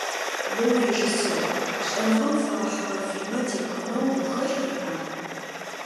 О урежиссер, шӏэныгъэм фэгъэхьыгъэ фильмэ тепхынэу гухэлъ уиӏа?